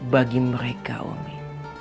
bagi mereka umi